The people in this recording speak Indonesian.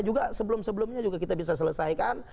juga sebelum sebelumnya juga kita bisa selesaikan